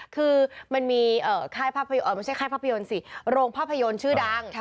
คือมันมีโรงภาพยนตร์ชื่อดัง